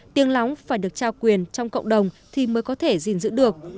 tiếng lóng phải được trao quyền trong cộng đồng thì mới có thể gìn giữ được